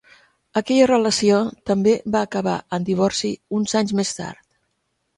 Aquella relació també va acabar en divorci uns anys més tard.